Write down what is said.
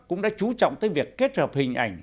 cũng đã chú trọng tới việc kết hợp hình ảnh